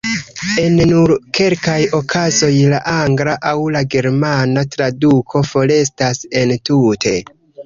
En nur kelkaj okazoj la angla aŭ la germana traduko forestas entute.